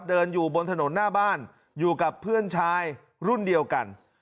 เดินอยู่บนถนนหน้าบ้านอยู่กับเพื่อนชายรุ่นเดียวกัน